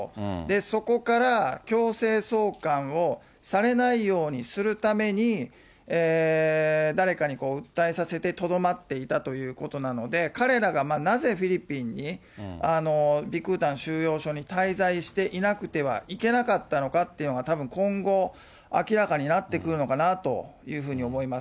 そこから強制送還をされないようにするために、誰かに訴えさせてとどまっていたということなので、彼らがなぜフィリピンに、ビクタン収容所に滞在していなくてはいけなかったのかっていうのが、たぶん今後、明らかになってくるのかなというふうに思います。